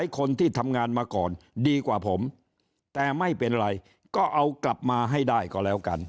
คนที่ทำงานมาก่อนดีกว่าผมแต่ไม่เป็นไรก็เอากลับมาให้ได้ก็แล้วกัน